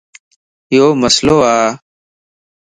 يو مسئلو ا